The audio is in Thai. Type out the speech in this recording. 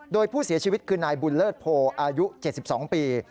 โดยผู้เสียชีวิตคือนายบุญเลิศโพอายุ๗๒ปี